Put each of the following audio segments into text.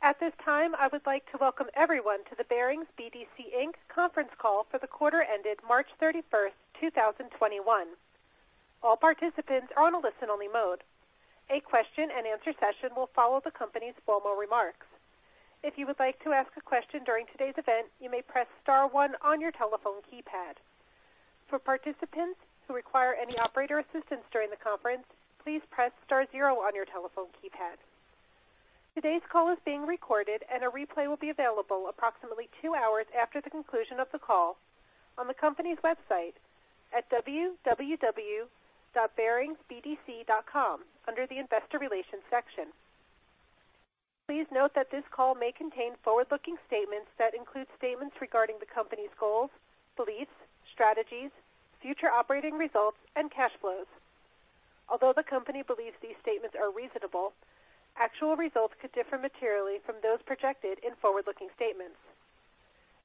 Greetings. At this time, I would like to welcome everyone to the Barings BDC, Inc. conference call for the quarter ended March 31, 2021. All participants are on a listen-only mode. A question and answer session will follow the company's formal remarks. If you would like to ask a question during today's event, you may press star one on your telephone keypad. For participants who require any operator assistance during the conference, please press star zero on your telephone keypad. Today's call is being recorded, and a replay will be available approximately two hours after the conclusion of the call on the company's website at www.baringsbdc.com under the investor relations section. Please note that this call may contain forward-looking statements that include statements regarding the company's goals, beliefs, strategies, future operating results, and cash flows. Although the company believes these statements are reasonable, actual results could differ materially from those projected in forward-looking statements.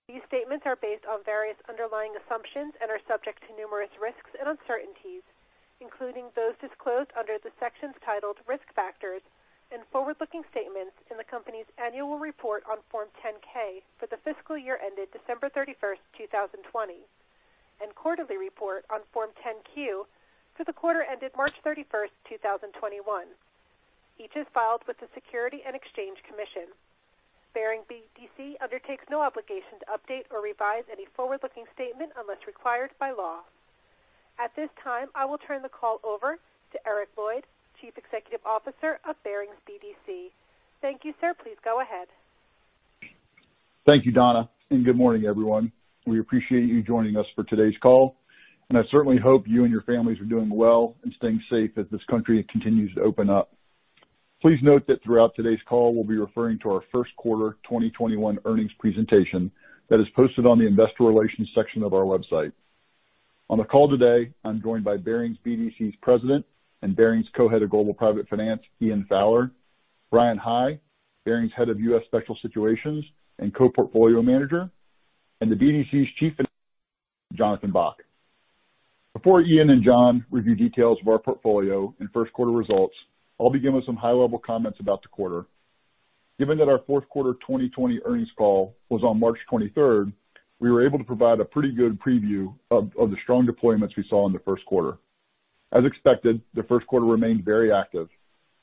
These statements are based on various underlying assumptions and are subject to numerous risks and uncertainties, including those disclosed under the sections titled Risk Factors and Forward-Looking Statements in the company's annual report on Form 10-K for the fiscal year ended December 31st, 2020, and quarterly report on Form 10-Q for the quarter ended March 31st, 2021. Each is filed with the Securities and Exchange Commission. Barings BDC undertakes no obligation to update or revise any forward-looking statement unless required by law. At this time, I will turn the call over to Eric Lloyd, Chief Executive Officer of Barings BDC. Thank you, sir. Please go ahead. Thank you, Donna, and good morning, everyone. We appreciate you joining us for today's call, and I certainly hope you and your families are doing well and staying safe as this country continues to open up. Please note that throughout today's call, we'll be referring to our first quarter 2021 earnings presentation that is posted on the investor relations section of our website. On the call today, I'm joined by Barings BDC's President and Barings' Co-Head of Global Private Finance, Ian Fowler, Bryan High, Barings' Head of U.S. Special Situations and Co-Portfolio Manager, and the BDC's Chief Financial Officer, Jonathan Bock. Before Ian and Jonathan Bock review details of our portfolio and first quarter results, I'll begin with some high-level comments about the quarter. aGiven that our fourth quarter 2020 earnings call was on March 23rd, we were able to provide a pretty good preview of the strong deployments we saw in the first quarter. As expected, the first quarter remained very active,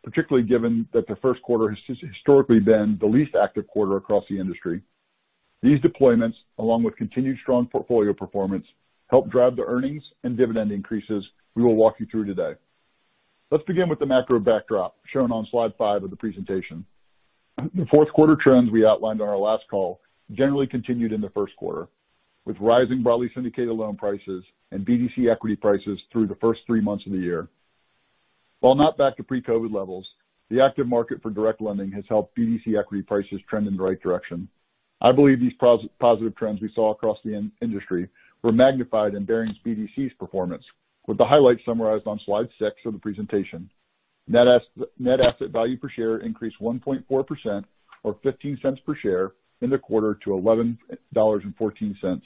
particularly given that the first quarter has historically been the least active quarter across the industry. These deployments, along with continued strong portfolio performance, helped drive the earnings and dividend increases we will walk you through today. Let's begin with the macro backdrop shown on slide five of the presentation. The fourth quarter trends we outlined on our last call generally continued in the first quarter, with rising broadly syndicated loan prices and BDC equity prices through the first three months of the year. While not back to pre-COVID levels, the active market for direct lending has helped BDC equity prices trend in the right direction. I believe these positive trends we saw across the industry were magnified in Barings BDC's performance with the highlights summarized on slide six of the presentation. Net asset value per share increased 1.4% or $0.15 per share in the quarter to $11.14,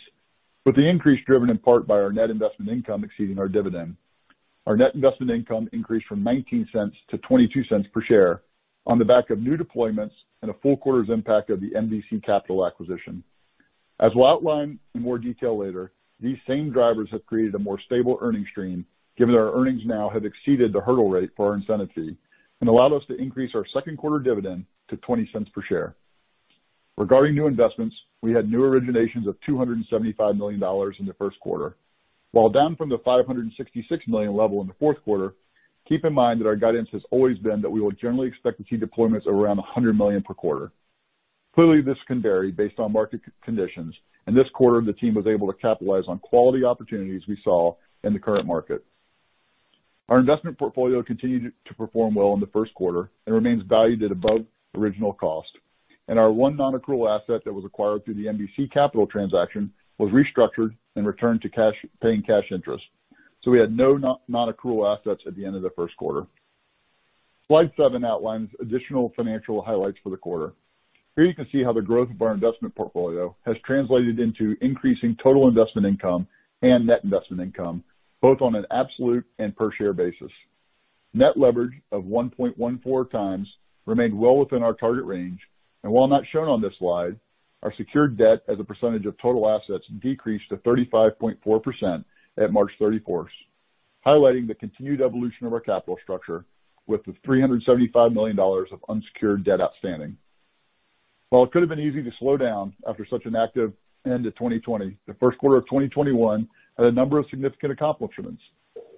with the increase driven in part by our net investment income exceeding our dividend. Our net investment income increased from $0.19 - $0.22 per share on the back of new deployments and a full quarter's impact of the MVC Capital acquisition. As we'll outline in more detail later, these same drivers have created a more stable earning stream, given that our earnings now have exceeded the hurdle rate for our incentive fee and allowed us to increase our second-quarter dividend to $0.20 per share. Regarding new investments, we had new originations of $275 million in the first quarter. While down from the $566 million level in the fourth quarter, keep in mind that our guidance has always been that we will generally expect to see deployments around $100 million per quarter. Clearly, this can vary based on market conditions, and this quarter the team was able to capitalize on quality opportunities we saw in the current market. Our investment portfolio continued to perform well in the first quarter and remains valued at above original cost. Our one non-accrual asset that was acquired through the MVC Capital transaction was restructured and returned to paying cash interest. We had no non-accrual assets at the end of the first quarter. Slide seven outlines additional financial highlights for the quarter. Here you can see how the growth of our investment portfolio has translated into increasing total investment income and net investment income, both on an absolute and per share basis. Net leverage of 1.14x remained well within our target range, and while not shown on this slide, our secured debt as a percentage of total assets decreased to 35.4% at March 31st, highlighting the continued evolution of our capital structure with the $375 million of unsecured debt outstanding. While it could have been easy to slow down after such an active end to 2020, the first quarter of 2021 had a number of significant accomplishments,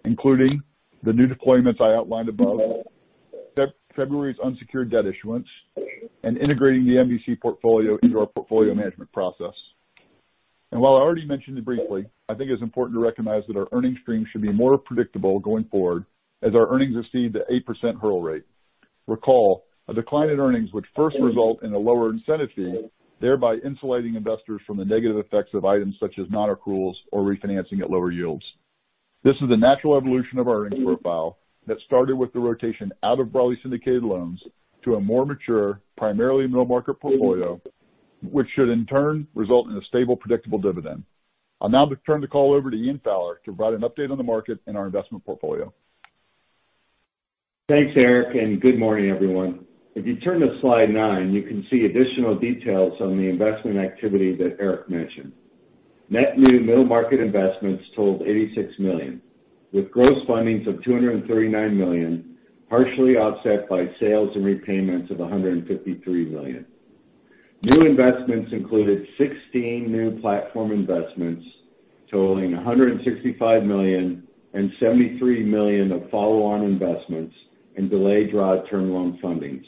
including the new deployments I outlined above, February's unsecured debt issuance, and integrating the MVC portfolio into our portfolio management process. While I already mentioned it briefly, I think it's important to recognize that our earnings stream should be more predictable going forward as our earnings exceed the 8% hurdle rate. Recall, a decline in earnings would first result in a lower incentive fee, thereby insulating investors from the negative effects of items such as non-accruals or refinancing at lower yields. This is a natural evolution of our earnings profile that started with the rotation out of broadly syndicated loans to a more mature, primarily middle-market portfolio, which should in turn result in a stable, predictable dividend. I'll now turn the call over to Ian Fowler to provide an update on the market and our investment portfolio. Thanks, Eric. Good morning, everyone. If you turn to slide nine, you can see additional details on the investment activity that Eric mentioned. Net new middle market investments totaled $86 million, with gross fundings of $239 million, partially offset by sales and repayments of $153 million. New investments included 16 new platform investments totaling $165 million and $73 million of follow-on investments in delayed draw term loan fundings.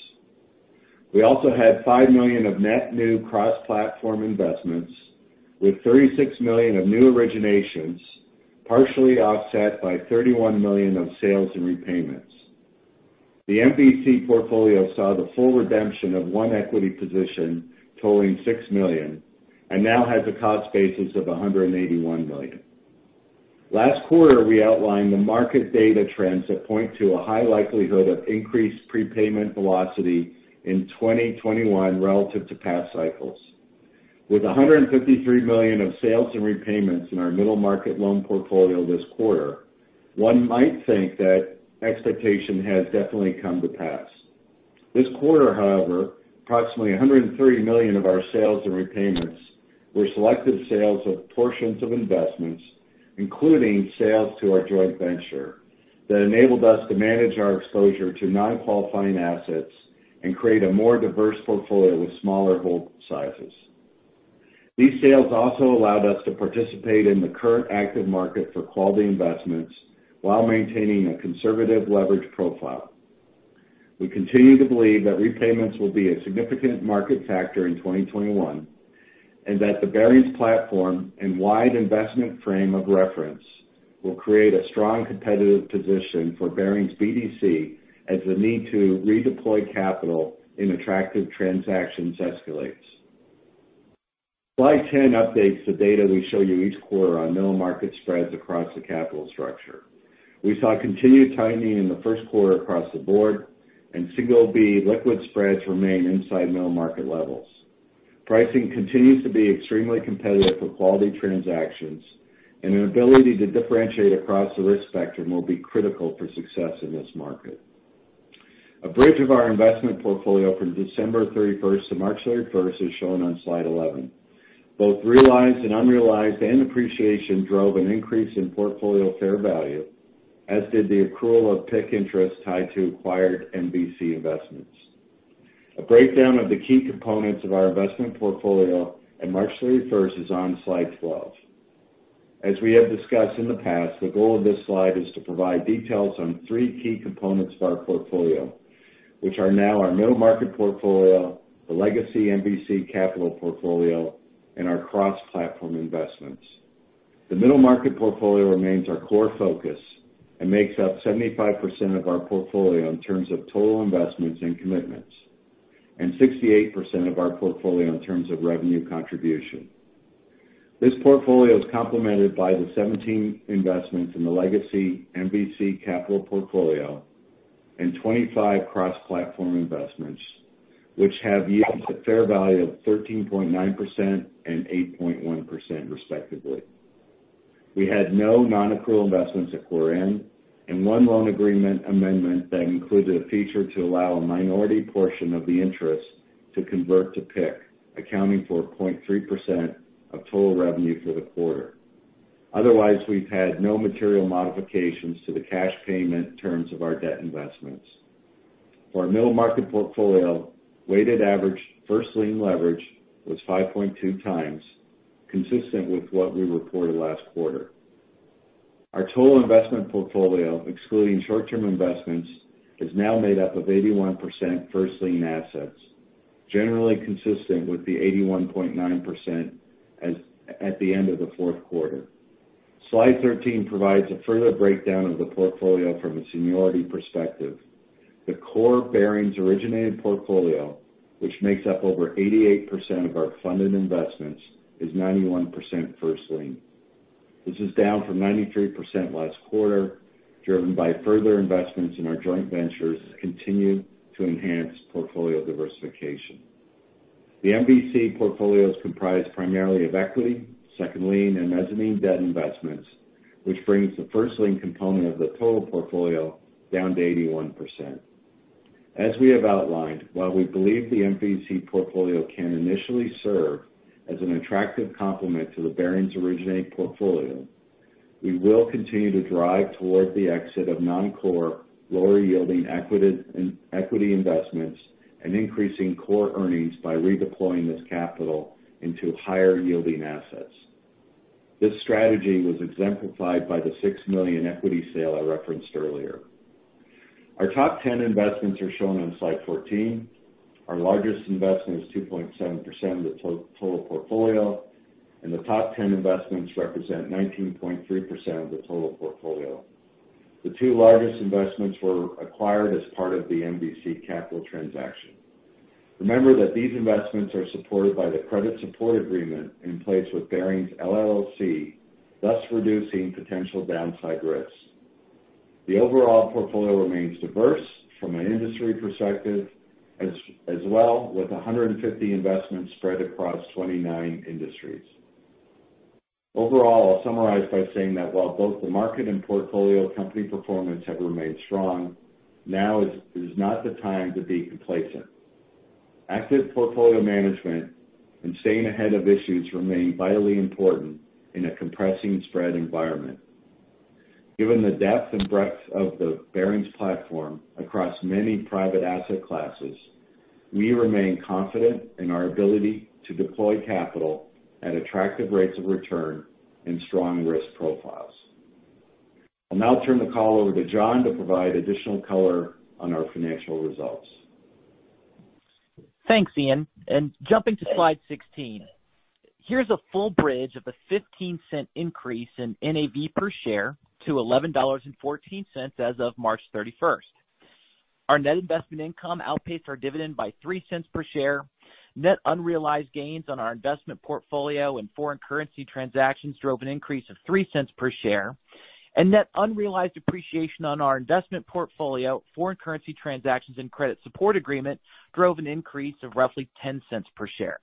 We also had $5 million of net new cross-platform investments, with $36 million of new originations, partially offset by $31 million of sales and repayments. The MVC portfolio saw the full redemption of one equity position totaling $6 million and now has a cost basis of $181 million. Last quarter, we outlined the market data trends that point to a high likelihood of increased prepayment velocity in 2021 relative to past cycles. With $153 million of sales and repayments in our middle market loan portfolio this quarter, one might think that expectation has definitely come to pass. This quarter, however, approximately $130 million of our sales and repayments were selected sales of portions of investments, including sales to our joint venture, that enabled us to manage our exposure to non-qualifying assets and create a more diverse portfolio with smaller hold sizes. These sales also allowed us to participate in the current active market for quality investments while maintaining a conservative leverage profile. We continue to believe that repayments will be a significant market factor in 2021, and that the Barings platform and wide investment frame of reference will create a strong competitive position for Barings BDC as the need to redeploy capital in attractive transactions escalates. Slide 10 updates the data we show you each quarter on middle market spreads across the capital structure. We saw continued tightening in the first quarter across the board, and single B liquid spreads remain inside middle market levels. Pricing continues to be extremely competitive for quality transactions, and an ability to differentiate across the risk spectrum will be critical for success in this market. A bridge of our investment portfolio from December 31st - March 31st is shown on slide 11. Both realized and unrealized net appreciation drove an increase in portfolio fair value, as did the accrual of PIK interest tied to acquired MVC investments. A breakdown of the key components of our investment portfolio at March 31st is on slide 12. As we have discussed in the past, the goal of this slide is to provide details on three key components of our portfolio, which are now our middle market portfolio, the legacy MVC Capital portfolio, and our cross-platform investments. The middle market portfolio remains our core focus and makes up 75% of our portfolio in terms of total investments and commitments, and 68% of our portfolio in terms of revenue contribution. This portfolio is complemented by the 17 investments in the legacy MVC Capital portfolio and 25 cross-platform investments, which have yields at fair value of 13.9% and 8.1%, respectively. We had no non-accrual investments at quarter end, and one loan agreement amendment that included a feature to allow a minority portion of the interest to convert to PIK, accounting for 0.3% of total revenue for the quarter. Otherwise, we've had no material modifications to the cash payment terms of our debt investments. For our middle market portfolio, weighted average first lien leverage was 5.2x, consistent with what we reported last quarter. Our total investment portfolio, excluding short-term investments, is now made up of 81% first lien assets, generally consistent with the 81.9% at the end of the fourth quarter. Slide 13 provides a further breakdown of the portfolio from a seniority perspective. The core Barings-originated portfolio, which makes up over 88% of our funded investments, is 91% first lien. This is down from 93% last quarter, driven by further investments in our joint ventures to continue to enhance portfolio diversification. The MVC portfolio is comprised primarily of equity, second lien, and mezzanine debt investments, which brings the first lien component of the total portfolio down to 81%. As we have outlined, while we believe the MVC portfolio can initially serve as an attractive complement to the Barings originated portfolio, we will continue to drive toward the exit of non-core, lower-yielding equity investments and increasing core earnings by redeploying this capital into higher-yielding assets. This strategy was exemplified by the $6 million equity sale I referenced earlier. Our top 10 investments are shown on slide 14. Our largest investment is 2.7% of the total portfolio, and the top 10 investments represent 19.3% of the total portfolio. The two largest investments were acquired as part of the MVC Capital transaction. Remember that these investments are supported by the credit support agreement in place with Barings LLC, thus reducing potential downside risks. The overall portfolio remains diverse from an industry perspective as well, with 150 investments spread across 29 industries. Overall, I'll summarize by saying that while both the market and portfolio company performance have remained strong, now is not the time to be complacent. Active portfolio management and staying ahead of issues remain vitally important in a compressing spread environment. Given the depth and breadth of the Barings platform across many private asset classes, we remain confident in our ability to deploy capital at attractive rates of return and strong risk profiles. I'll now turn the call over to Jonathan Bock to provide additional color on our financial results. Thanks, Ian. Jumping to slide 16, here's a full bridge of the $0.15 increase in NAV per share to $11.14 as of March 31st. Our net investment income outpaced our dividend by $0.03 per share. Net unrealized gains on our investment portfolio and foreign currency transactions drove an increase of $0.03 per share. Net unrealized appreciation on our investment portfolio, foreign currency transactions, and credit support agreement drove an increase of roughly $0.10 per share.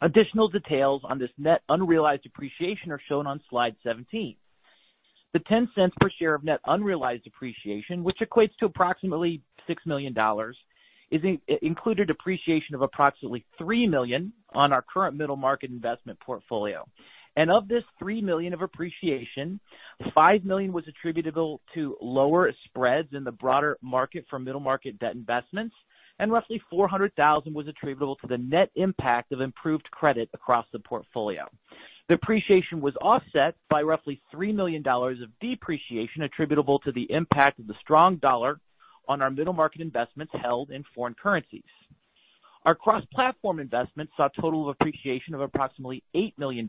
Additional details on this net unrealized appreciation are shown on slide 17. The $0.10 per share of net unrealized appreciation, which equates to approximately $6 million, included appreciation of approximately $3 million on our current middle market investment portfolio. Of this $3 million of appreciation, $5 million was attributable to lower spreads in the broader market for middle market debt investments, and roughly $400,000 was attributable to the net impact of improved credit across the portfolio. The appreciation was offset by roughly $3 million of depreciation attributable to the impact of the strong dollar on our middle market investments held in foreign currencies. Our cross-platform investments saw a total of appreciation of approximately $8 million,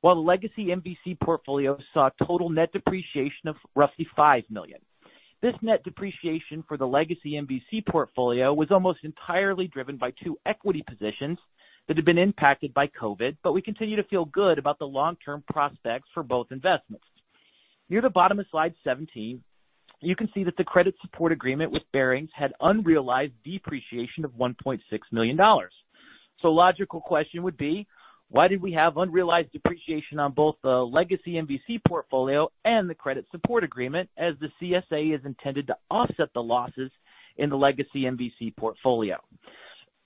while the legacy MVC portfolio saw total net depreciation of roughly $5 million. This net depreciation for the legacy MVC portfolio was almost entirely driven by two equity positions that had been impacted by COVID, but we continue to feel good about the long-term prospects for both investments. Near the bottom of slide 17, you can see that the credit support agreement with Barings had unrealized depreciation of $1.6 million. A logical question would be, why did we have unrealized depreciation on both the legacy MVC portfolio and the Credit Support Agreement as the CSA is intended to offset the losses in the legacy MVC portfolio?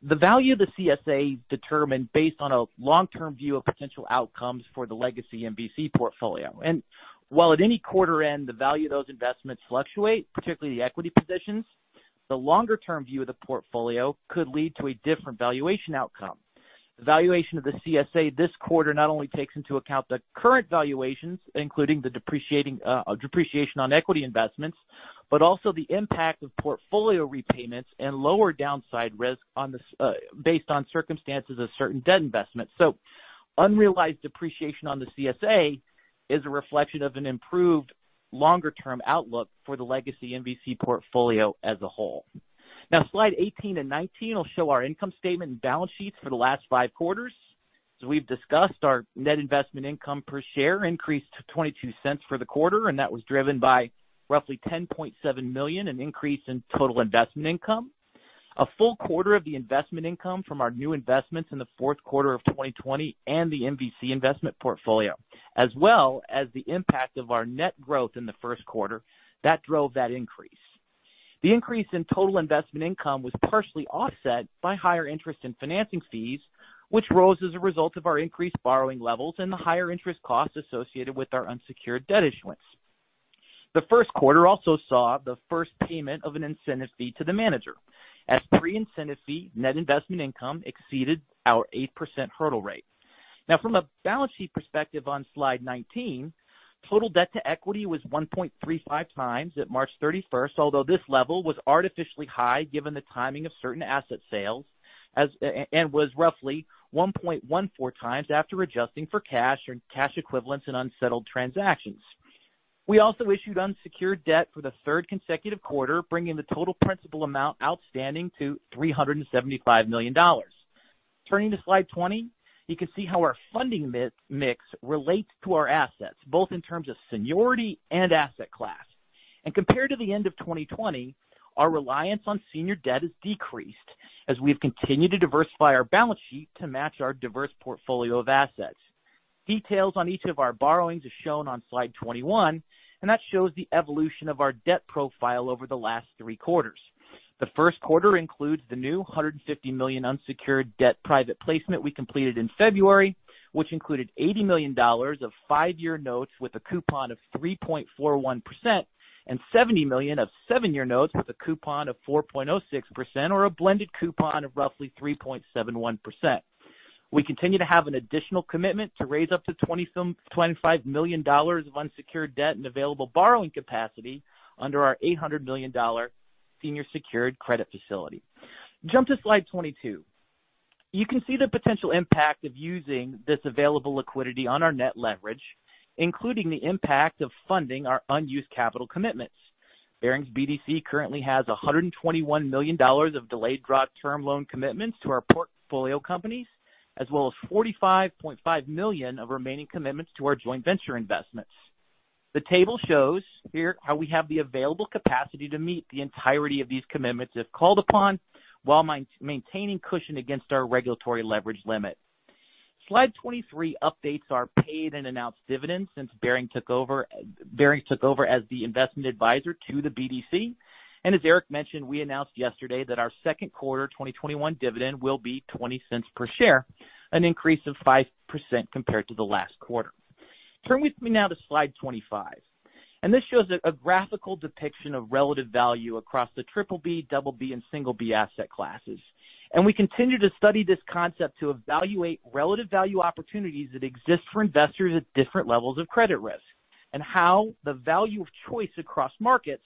The value of the CSA determined based on a longer-term view of potential outcomes for the legacy MVC portfolio. While at any quarter end, the value of those investments fluctuate, particularly the equity positions, the longer-term view of the portfolio could lead to a different valuation outcome. Valuation of the CSA this quarter not only takes into account the current valuations, including the depreciation on equity investments, but also the impact of portfolio repayments and lower downside risk based on circumstances of certain debt investments. Unrealized depreciation on the CSA is a reflection of an improved longer-term outlook for the legacy MVC portfolio as a whole. Slide 18 and 19 will show our income statement and balance sheets for the last five quarters. As we've discussed, our net investment income per share increased to $0.22 for the quarter. That was driven by roughly $10.7 million, an increase in total investment income. A full quarter of the investment income from our new investments in the fourth quarter of 2020 and the MVC investment portfolio, as well as the impact of our net growth in the first quarter, that drove that increase. The increase in total investment income was partially offset by higher interest in financing fees, which rose as a result of our increased borrowing levels and the higher interest costs associated with our unsecured debt issuance. The first quarter also saw the first payment of an incentive fee to the manager. At pre-incentive fee, net investment income exceeded our 8% hurdle rate. Now from a balance sheet perspective on slide 19, total debt to equity was 1.35x at March 31st, although this level was artificially high given the timing of certain asset sales, and was roughly 1.14x after adjusting for cash or cash equivalents in unsettled transactions. We also issued unsecured debt for the third consecutive quarter, bringing the total principal amount outstanding to $375 million. Turning to slide 20, you can see how our funding mix relates to our assets, both in terms of seniority and asset class. Compared to the end of 2020, our reliance on senior debt has decreased as we've continued to diversify our balance sheet to match our diverse portfolio of assets. Details on each of our borrowings are shown on slide 21, and that shows the evolution of our debt profile over the last three quarters. The first quarter includes the new $150 million unsecured debt private placement we completed in February, which included $80 million of five-year notes with a coupon of 3.41% and $70 million of seven-year notes with a coupon of 4.06%, or a blended coupon of roughly 3.71%. We continue to have an additional commitment to raise up to $25 million of unsecured debt and available borrowing capacity under our $800 million senior secured credit facility. Jump to slide 22. You can see the potential impact of using this available liquidity on our net leverage, including the impact of funding our unused capital commitments. Barings BDC currently has $121 million of delayed draw term loan commitments to our portfolio companies, as well as $45.5 million of remaining commitments to our joint venture investments. The table shows here how we have the available capacity to meet the entirety of these commitments if called upon, while maintaining cushion against our regulatory leverage limit. Slide 23 updates our paid and announced dividends since Barings took over as the investment advisor to the BDC. As Eric mentioned, we announced yesterday that our second quarter 2021 dividend will be $0.20 per share, an increase of 5% compared to the last quarter. Turn with me now to slide 25. This shows a graphical depiction of relative value across the triple B, double B, and single B asset classes. We continue to study this concept to evaluate relative value opportunities that exist for investors at different levels of credit risk, and how the value of choice across markets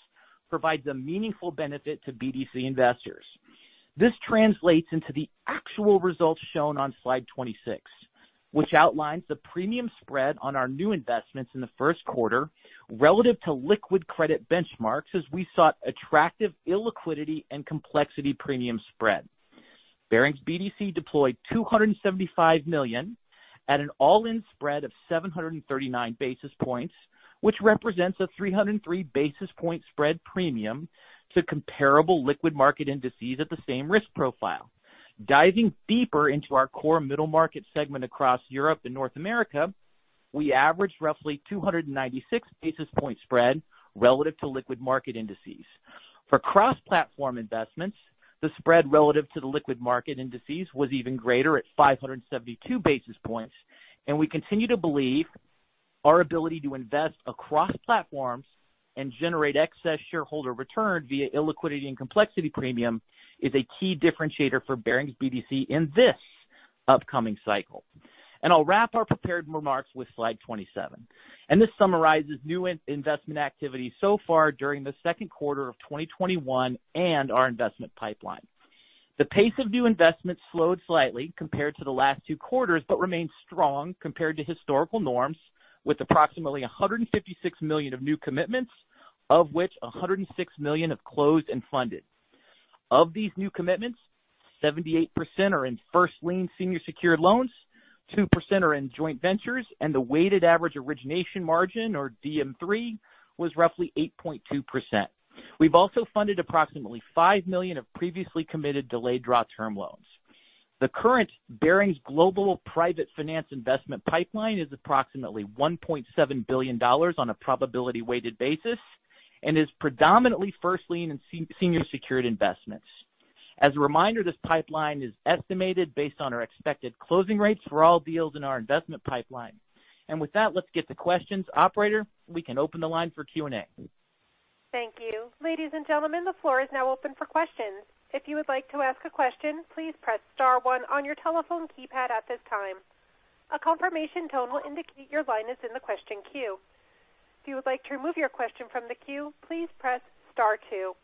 provides a meaningful benefit to BDC investors. This translates into the actual results shown on slide 26, which outlines the premium spread on our new investments in the first quarter relative to liquid credit benchmarks as we sought attractive illiquidity and complexity premium spread. Barings BDC deployed $275 million at an all-in spread of 739 basis points, which represents a 303 basis point spread premium to comparable liquid market indices at the same risk profile. Diving deeper into our core middle market segment across Europe and North America, we averaged roughly 296 basis point spread relative to liquid market indices. For cross-platform investments, the spread relative to the liquid market indices was even greater at 572 basis points. We continue to believe our ability to invest across platforms and generate excess shareholder return via illiquidity and complexity premium is a key differentiator for Barings BDC in this upcoming cycle. I'll wrap our prepared remarks with slide 27. This summarizes new investment activity so far during the second quarter of 2021 and our investment pipeline. The pace of new investments slowed slightly compared to the last two quarters, but remains strong compared to historical norms with approximately $156 million of new commitments, of which $106 million have closed and funded. Of these new commitments, 78% are in first-lien senior secured loans, 2% are in joint ventures, and the weighted average origination margin or DM three was roughly 8.2%. We've also funded approximately $5 million of previously committed delayed draw term loans. The current Barings Global Private Finance investment pipeline is approximately $1.7 billion on a probability weighted basis and is predominantly first lien in senior secured investments. As a reminder, this pipeline is estimated based on our expected closing rates for all deals in our investment pipeline. With that, let's get to questions. Operator, we can open the line for Q&A. Thank you. Ladies and gentlemen, the floor is now open for questions. If you would like to ask a question, please press star one on your telephone keypad at this time. A confirmation tone will indicate your line is in the question queue. If you would like to remove your question from the queue, please press star two.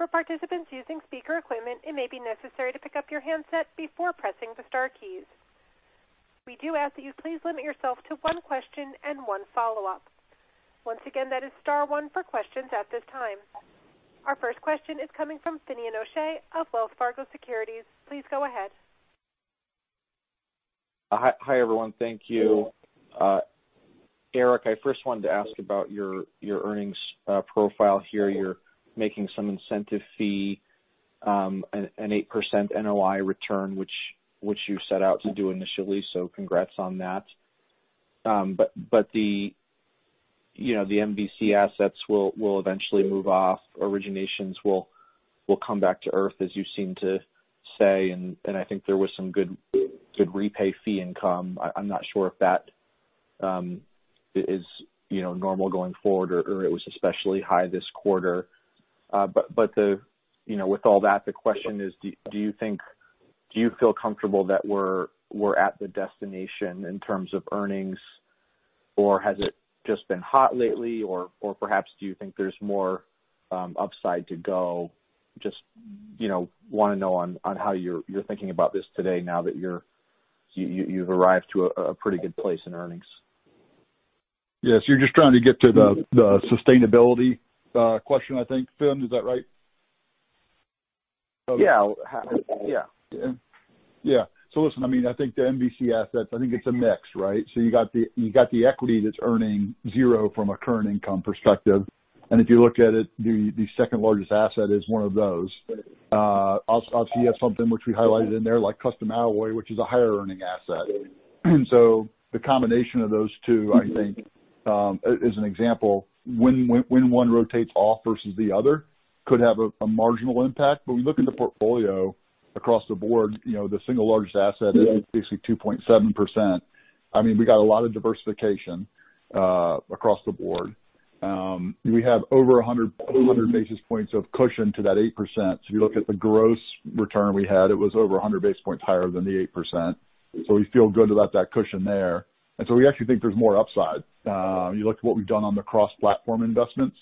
For participants using speaker equipment, it may be necessary to pick up your handset before pressing the star keys. We do ask that you please limit yourself to one question and one follow-up. Once again, that is star one for questions at this time. Our first question is coming from Finian O'Shea of Wells Fargo Securities. Please go ahead. Hi, everyone. Thank you. Eric, I first wanted to ask about your earnings profile here. You're making some incentive fee, an 8% NOI return, which you set out to do initially, so congrats on that. The MVC assets will eventually move off. Originations will come back to Earth, as you seem to say. I think there was some good repay fee income. I'm not sure if that is normal going forward or it was especially high this quarter. With all that, the question is: do you feel comfortable that we're at the destination in terms of earnings, or has it just been hot lately? Or perhaps do you think there's more upside to go? Just want to know on how you're thinking about this today now that you've arrived to a pretty good place in earnings. Yes. You're just trying to get to the sustainability question, I think. Finn, is that right? Yeah. Yeah. Listen, I think the MVC assets, I think it's a mix, right? You got the equity that's earning zero from a current income perspective. If you look at it, the second largest asset is one of those. Obviously, you have something which we highlighted in there, like Custom Alloy, which is a higher earning asset. The combination of those two, I think, as an example, when one rotates off versus the other, could have a marginal impact. We look at the portfolio across the board, the single largest asset is basically 2.7%. We got a lot of diversification across the board. We have over 100 basis points of cushion to that 8%. If you look at the gross return we had, it was over 100 basis points higher than the 8%. We feel good about that cushion there. We actually think there's more upside. You look at what we've done on the cross-platform investments.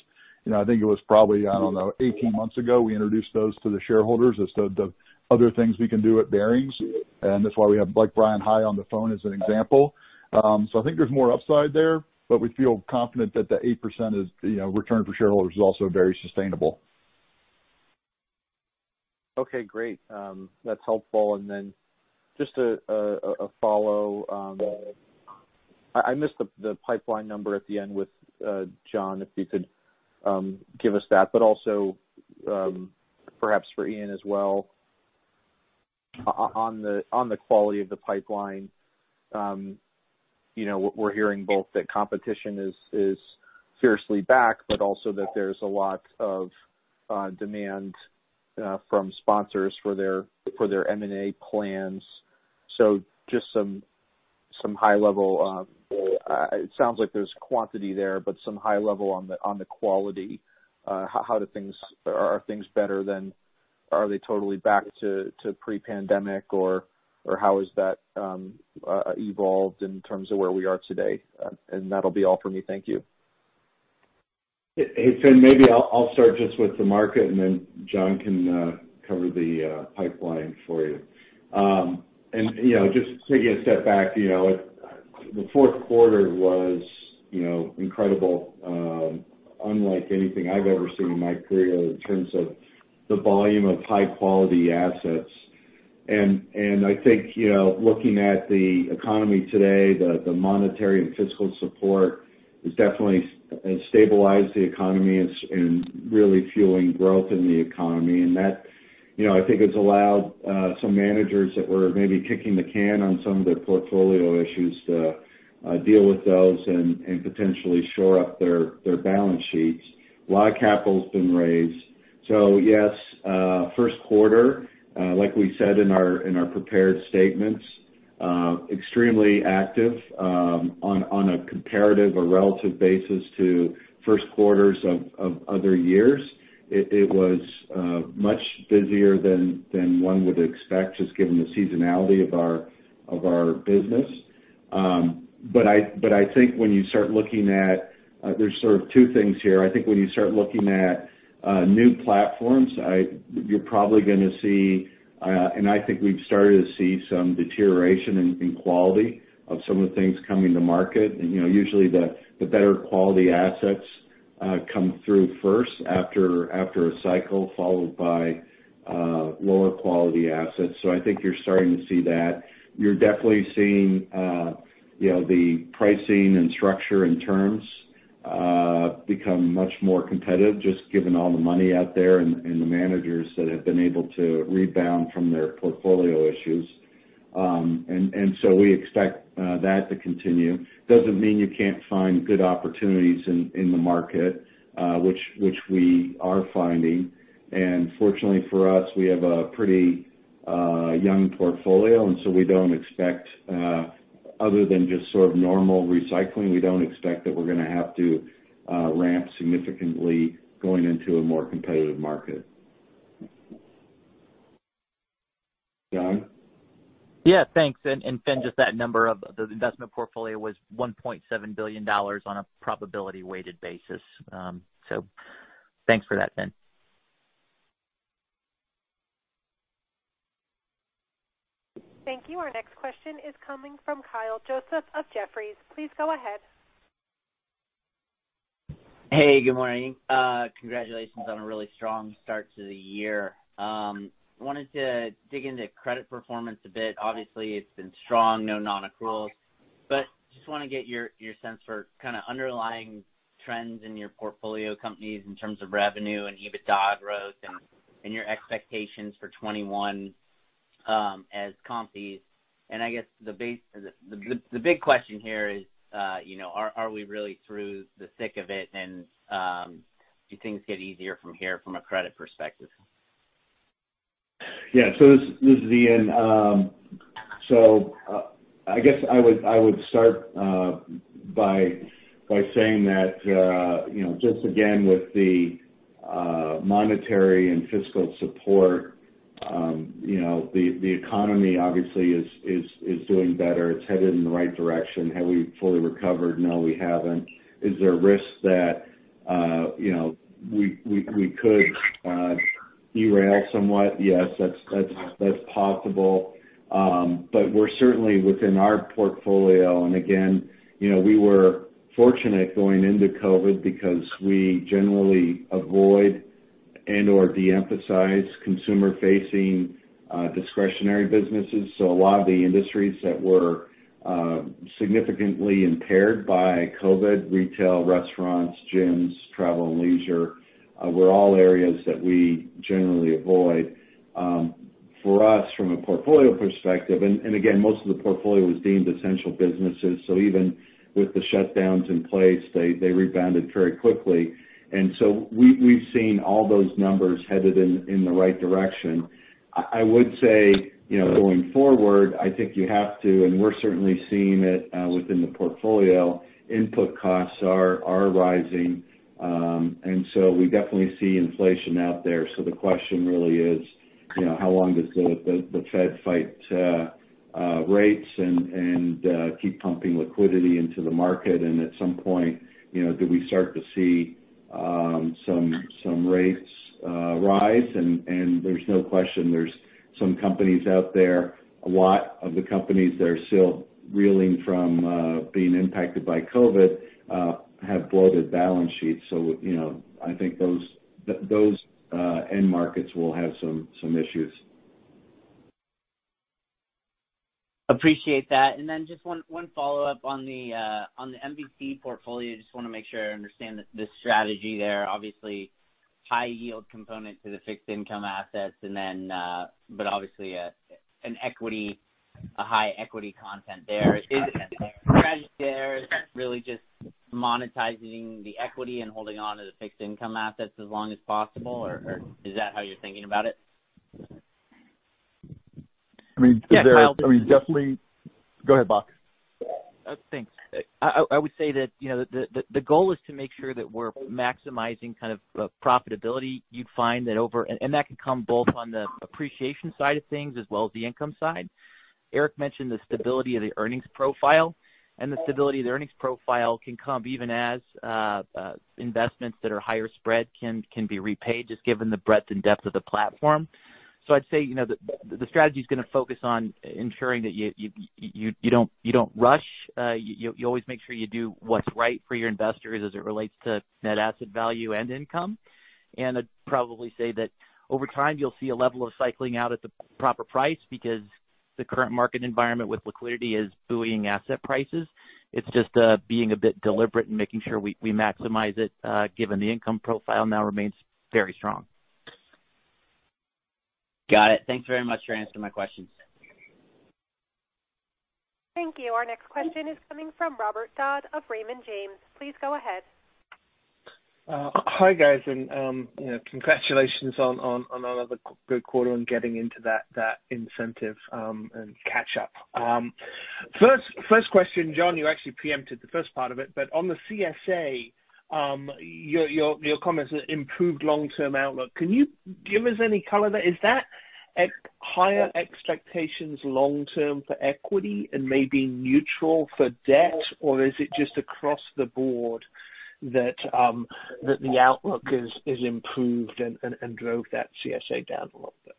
I think it was probably, I don't know, 18 months ago, we introduced those to the shareholders as the other things we can do at Barings, and that's why we have Blake, Bryan High on the phone as an example. I think there's more upside there, but we feel confident that the 8% return for shareholders is also very sustainable. Okay, great. That's helpful. Then just a follow. I missed the pipeline number at the end with Jonathan Bock, if you could give us that, but also perhaps for Ian Fowler as well on the quality of the pipeline. We're hearing both that competition is fiercely back, but also that there's a lot of demand from sponsors for their M&A plans. Just some high level. It sounds like there's quantity there, but some high level on the quality. Are things totally back to pre-pandemic or how has that evolved in terms of where we are today? That'll be all for me. Thank you. Hey, Finn, maybe I'll start just with the market and then John can cover the pipeline for you. Just taking a step back, the fourth quarter was incredible unlike anything I've ever seen in my career in terms of the volume of high-quality assets. I think, looking at the economy today, the monetary and fiscal support has definitely stabilized the economy and really fueling growth in the economy. That, I think has allowed some managers that were maybe kicking the can on some of their portfolio issues to deal with those and potentially shore up their balance sheets. A lot of capital has been raised. Yes, first quarter, like we said in our prepared statements, extremely active on a comparative or relative basis to first quarters of other years. It was much busier than one would expect, just given the seasonality of our business. I think when you start looking at, there's sort of two things here. I think when you start looking at new platforms, you're probably going to see, and I think we've started to see some deterioration in quality of some of the things coming to market. Usually, the better quality assets come through first after a cycle, followed by lower quality assets. I think you're starting to see that. You're definitely seeing the pricing and structure and terms become much more competitive, just given all the money out there and the managers that have been able to rebound from their portfolio issues. We expect that to continue. Doesn't mean you can't find good opportunities in the market, which we are finding. Fortunately for us, we have a pretty young portfolio, and so other than just sort of normal recycling, we don't expect that we're going to have to ramp significantly going into a more competitive market. John? Yeah, thanks. Finn, just that number of the investment portfolio was $1.7 billion on a probability weighted basis. Thanks for that, Finn. Thank you. Our next question is coming from Kyle Joseph of Jefferies. Please go ahead. Hey, good morning. Congratulations on a really strong start to the year. Wanted to dig into credit performance a bit. Obviously, it's been strong, no non-accruals. Just want to get your sense for kind of underlying trends in your portfolio companies in terms of revenue and EBITDA growth and your expectations for 2021 as comps. I guess the big question here is are we really through the thick of it? Do things get easier from here from a credit perspective? Yeah. This is Ian. I guess I would start by saying that just again, with the monetary and fiscal support, the economy obviously is doing better. It's headed in the right direction. Have we fully recovered? No, we haven't. Is there a risk that we could derail somewhat? Yes, that's possible. We're certainly within our portfolio. Again, we were fortunate going into COVID because we generally avoid and/or de-emphasize consumer-facing discretionary businesses. A lot of the industries that were significantly impaired by COVID, retail, restaurants, gyms, travel and leisure, were all areas that we generally avoid. For us, from a portfolio perspective, again, most of the portfolio was deemed essential businesses. Even with the shutdowns in place, they rebounded very quickly. We've seen all those numbers headed in the right direction. I would say, going forward, I think you have to, and we're certainly seeing it within the portfolio, input costs are rising. We definitely see inflation out there. The question really is how long does the Fed fight rates and keep pumping liquidity into the market? At some point, do we start to see some rates rise? There's no question there's some companies out there, a lot of the companies that are still reeling from being impacted by COVID, have bloated balance sheets. I think those end markets will have some issues. Appreciate that. Just one follow-up on the MVC portfolio. Just want to make sure I understand the strategy there. Obviously, high yield component to the fixed income assets, obviously a high equity content there. Is the strategy there really just monetizing the equity and holding onto the fixed income assets as long as possible, or is that how you're thinking about it? I mean. Yeah, Kyle. I mean, definitely, Go ahead, Bock. Thanks. I would say that the goal is to make sure that we're maximizing profitability. That can come both on the appreciation side of things as well as the income side. Eric mentioned the stability of the earnings profile, and the stability of the earnings profile can come even as investments that are higher spread can be repaid, just given the breadth and depth of the platform. I'd say, the strategy's going to focus on ensuring that you don't rush. You always make sure you do what's right for your investors as it relates to net asset value and income. I'd probably say that over time, you'll see a level of cycling out at the proper price because the current market environment with liquidity is buoying asset prices. It's just being a bit deliberate and making sure we maximize it, given the income profile now remains very strong. Got it. Thanks very much for answering my questions. Thank you. Our next question is coming from Robert Dodd of Raymond James. Please go ahead. Hi, guys. Congratulations on another good quarter and getting into that incentive and catch up. First question, John, you actually preempted the first part of it, but on the CSA, your comments improved long-term outlook. Can you give us any color there? Is that higher expectations long-term for equity and maybe neutral for debt, or is it just across the board that the outlook is improved and drove that CSA down a little bit?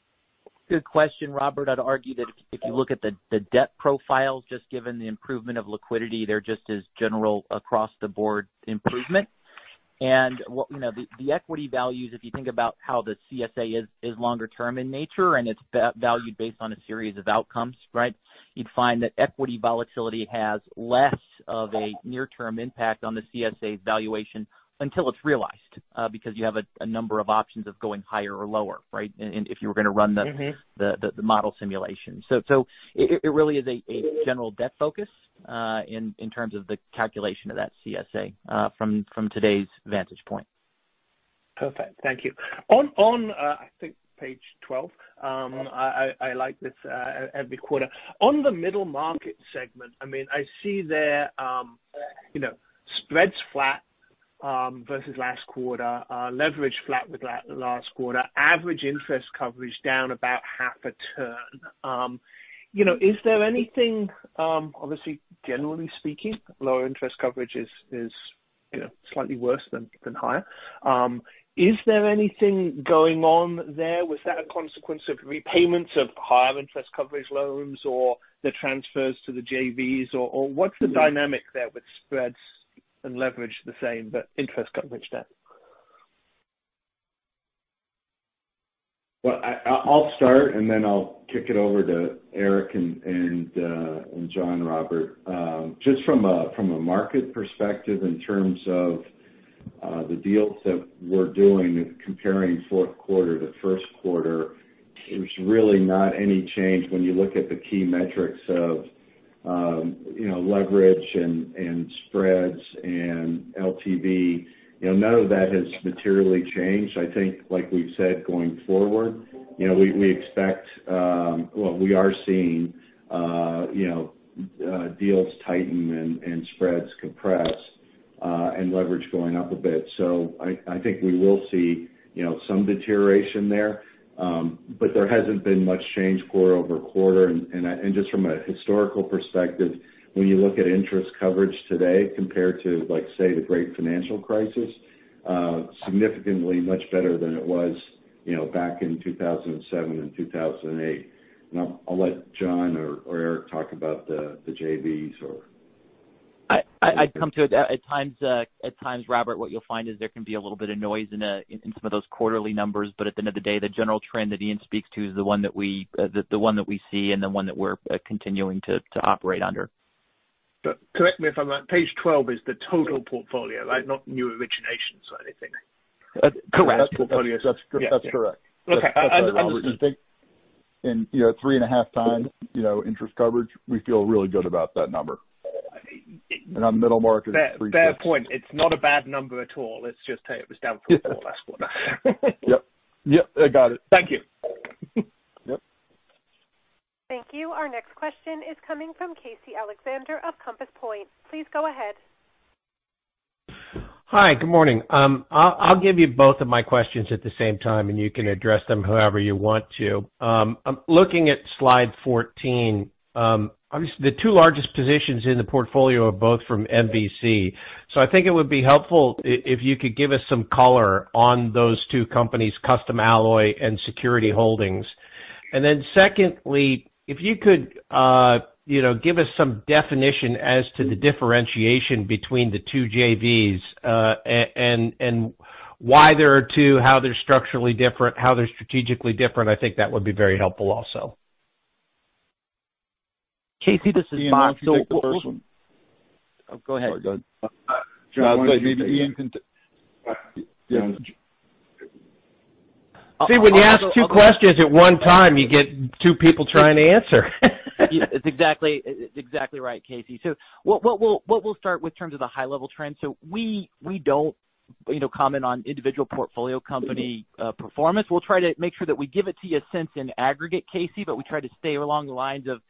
Good question, Robert. I'd argue that if you look at the debt profiles, just given the improvement of liquidity there, just as general across the board improvement. The equity values, if you think about how the CSA is longer term in nature, and it's valued based on a series of outcomes, right? You'd find that equity volatility has less of a near-term impact on the CSA's valuation until it's realized, because you have a number of options of going higher or lower, right? the model simulation. It really is a general debt focus in terms of the calculation of that CSA from today's vantage point. Perfect. Thank you. On, I think page 12. I like this every quarter. On the middle market segment, I see their spreads flat versus last quarter, leverage flat with last quarter, average interest coverage down about half a turn. Obviously, generally speaking, lower interest coverage is slightly worse than higher. Is there anything going on there? Was that a consequence of repayments of higher interest coverage loans or the transfers to the JVs? What's the dynamic there with spreads and leverage the same, but interest coverage debt? Well, I'll start, then I'll kick it over to Eric and John, Robert. Just from a market perspective in terms of the deals that we're doing, comparing fourth quarter to first quarter, there's really not any change when you look at the key metrics of leverage and spreads and LTV. None of that has materially changed. I think, like we've said, going forward, we expect we are seeing deals tighten and spreads compress, leverage going up a bit. I think we will see some deterioration there. There hasn't been much change quarter over quarter. Just from a historical perspective, when you look at interest coverage today compared to, say, the great financial crisis, significantly much better than it was back in 2007 and 2008. I'll let John or Eric talk about the JVs or I'd come to it. At times, Robert, what you'll find is there can be a little bit of noise in some of those quarterly numbers. At the end of the day, the general trend that Ian speaks to is the one that we see and the one that we're continuing to operate under. Correct me if I'm wrong. Page 12 is the total portfolio, right? Not new originations or anything. Correct. That's correct. Okay. That's right, Robert. I think in three and a half times interest coverage, we feel really good about that number. On middle market, it's three- Fair point. It's not a bad number at all. Let's just say it was down from the last quarter. Yep. I got it. Thank you. Yep. Thank you. Our next question is coming from Casey Alexander of Compass Point. Please go ahead. Hi. Good morning. I'll give you both of my questions at the same time, and you can address them however you want to. I'm looking at slide 14. Obviously, the two largest positions in the portfolio are both from MVC. I think it would be helpful if you could give us some color on those two companies, Custom Alloy and Security Holdings. Then secondly, if you could give us some definition as to the differentiation between the two JVs, and why there are two, how they're structurally different, how they're strategically different. I think that would be very helpful also. Casey, this is Paul. Ian, why don't you take the first one? Oh, go ahead. Sorry, go ahead. John, maybe Ian can, yeah. See, when you ask two questions at one time, you get two people trying to answer. Yeah, it's exactly right, Casey. What we'll start with in terms of the high-level trend, we don't comment on individual portfolio company performance. We'll try to make sure that we give it to you a sense in aggregate, Casey. We try to stay along the lines of,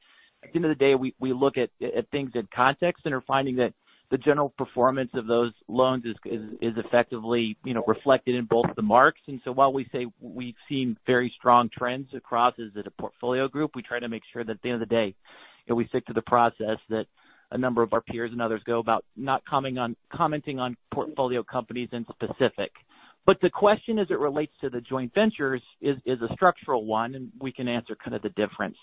at the end of the day, we look at things in context and are finding that the general performance of those loans is effectively reflected in both the marks. While we say we've seen very strong trends across as at a portfolio group, we try to make sure that at the end of the day, we stick to the process that a number of our peers and others go about not commenting on portfolio companies in specific. The question as it relates to the joint ventures is a structural one, and we can answer kind of the difference.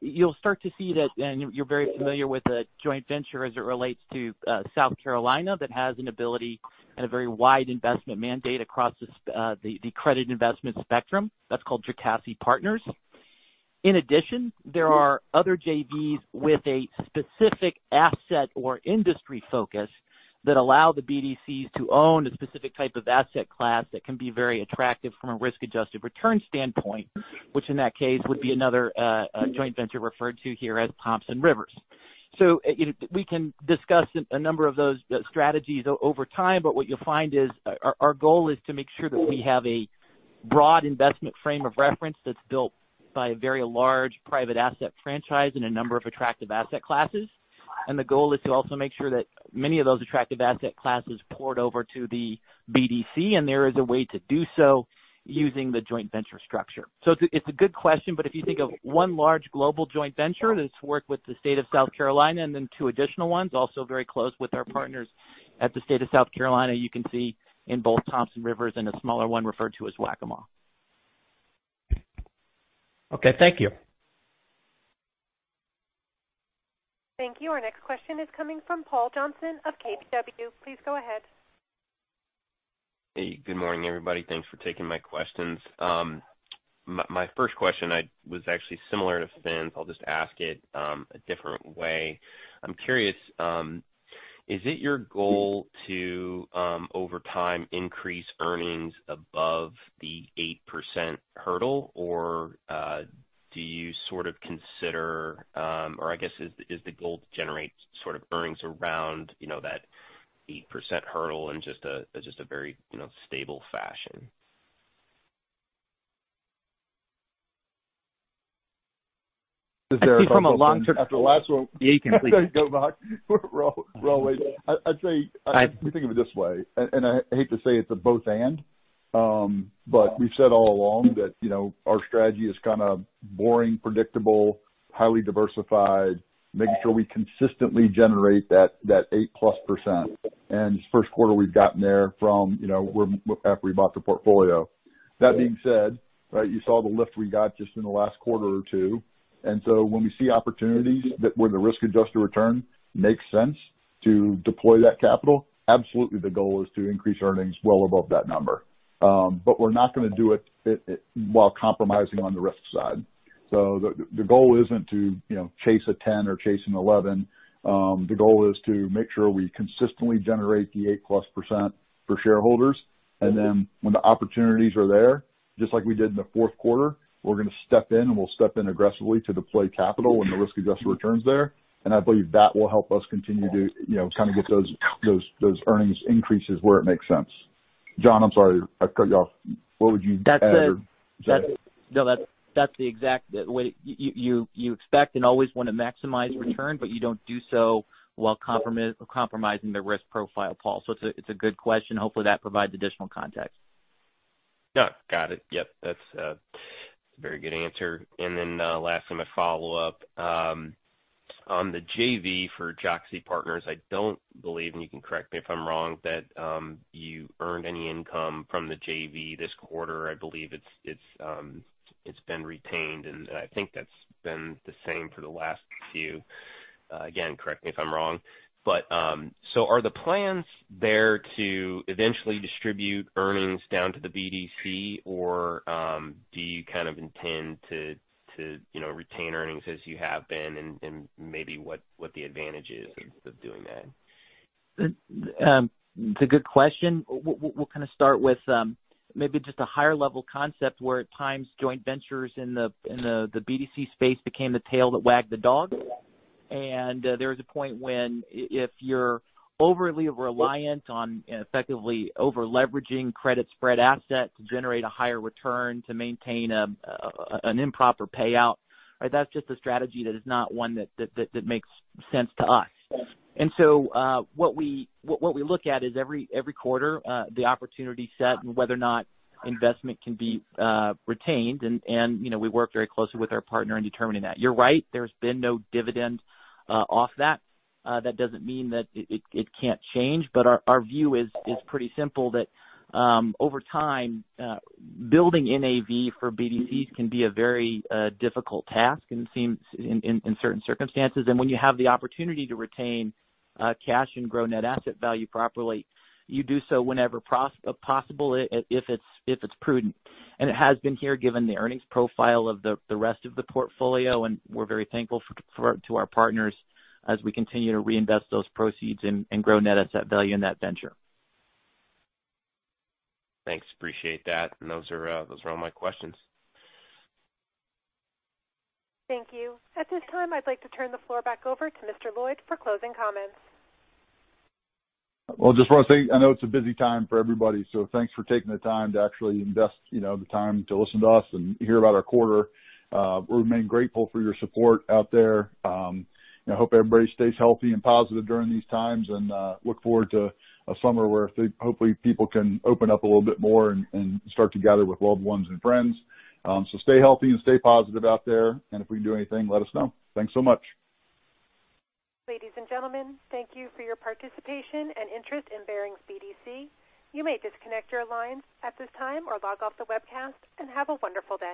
You'll start to see that, and you're very familiar with the joint venture as it relates to South Carolina that has an ability and a very wide investment mandate across the credit investment spectrum. That's called Jocassee Partners. In addition, there are other JVs with a specific asset or industry focus that allow the BDCs to own a specific type of asset class that can be very attractive from a risk-adjusted return standpoint, which in that case would be another joint venture referred to here as Thompson Rivers. We can discuss a number of those strategies over time, but what you'll find is our goal is to make sure that we have a broad investment frame of reference that's built by a very large private asset franchise in a number of attractive asset classes. The goal is to also make sure that many of those attractive asset classes port over to the BDC, and there is a way to do so using the joint venture structure. It's a good question, but if you think of one large global joint venture that's worked with the state of South Carolina, and then two additional ones, also very close with our partners at the state of South Carolina, you can see in both Thompson Rivers and a smaller one referred to as Waccamaw. Okay, thank you. Thank you. Our next question is coming from Paul Johnson of KBW. Please go ahead. Hey, good morning, everybody. Thanks for taking my questions. My first question was actually similar to Finn's. I'll just ask it a different way. I'm curious, is it your goal to, over time, increase earnings above the 8% hurdle, or is the goal to generate earnings around that 8% hurdle in just a very stable fashion? I think from a long-term- After the last one. The eight can- Go back. I'd say, we think of it this way, and I hate to say it's a both and, but we've said all along that our strategy is kind of boring, predictable, highly diversified, making sure we consistently generate that 8%+. This first quarter, we've gotten there from after we bought the portfolio. That being said, you saw the lift we got just in the last quarter or two. When we see opportunities where the risk-adjusted return makes sense to deploy that capital, absolutely the goal is to increase earnings well above that number. We're not going to do it while compromising on the risk side. The goal isn't to chase a 10 or chase an 11. The goal is to make sure we consistently generate the 8%+ for shareholders. When the opportunities are there, just like we did in the fourth quarter, we're going to step in, and we'll step in aggressively to deploy capital when the risk-adjusted return is there. I believe that will help us continue to kind of get those earnings increases where it makes sense. John, I'm sorry. I cut you off. What would you add? That's the exact way. You expect and always want to maximize return, but you don't do so while compromising the risk profile, Paul. It's a good question. Hopefully, that provides additional context. Yeah. Got it. Yep. That's a very good answer. Last time I follow up. On the JV for Jocassee Partners, I don't believe, and you can correct me if I'm wrong, that you earned any income from the JV this quarter. I believe it's been retained, and I think that's been the same for the last few. Again, correct me if I'm wrong. Are the plans there to eventually distribute earnings down to the BDC, or do you kind of intend to retain earnings as you have been, and maybe what the advantage is of doing that? It's a good question. We'll kind of start with maybe just a higher-level concept where at times joint ventures in the BDC space became the tail that wagged the dog. There was a point when if you're overly reliant on effectively over-leveraging credit spread asset to generate a higher return to maintain an improper payout, that's just a strategy that is not one that makes sense to us. What we look at is every quarter the opportunity set and whether or not investment can be retained. We work very closely with our partner in determining that. You're right, there's been no dividend off that. That doesn't mean that it can't change. Our view is pretty simple that over time, building NAV for BDCs can be a very difficult task in certain circumstances. When you have the opportunity to retain cash and grow net asset value properly, you do so whenever possible if it's prudent. It has been here, given the earnings profile of the rest of the portfolio, and we're very thankful to our partners as we continue to reinvest those proceeds and grow net asset value in that venture. Thanks. Appreciate that. Those are all my questions Thank you. At this time, I'd like to turn the floor back over to Mr. Lloyd for closing comments. Well, just want to say, I know it's a busy time for everybody, so thanks for taking the time to actually invest the time to listen to us and hear about our quarter. We remain grateful for your support out there. I hope everybody stays healthy and positive during these times, and look forward to a summer where hopefully people can open up a little bit more and start to gather with loved ones and friends. Stay healthy and stay positive out there. If we can do anything, let us know. Thanks so much. Ladies and gentlemen, thank you for your participation and interest in Barings BDC. You may disconnect your lines at this time or log off the webcast and have a wonderful day.